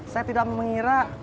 saya tidak mengira